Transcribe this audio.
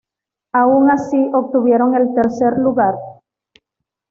Aun así, obtuvieron el tercer lugar.